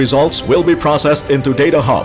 akan diproseskan ke data hub